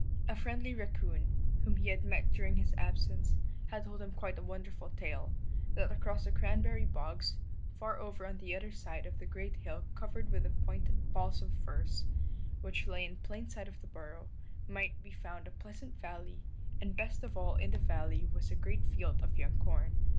A friendly raccoon, whom he had met during his absence, had told him quite a wonderful tale: that across the cranberry bogs, far over on the other side of the great hill covered with the pointed balsam firs, which lay in plain sight of the burrow, might be found a pleasant valley, and best of all in the valley was a great field of young corn.